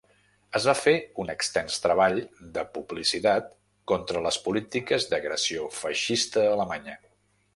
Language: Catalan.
Es va fer un extens treball de publicitat contra les polítiques d'agressió feixista alemanya.